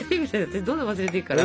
どんどん忘れていくから。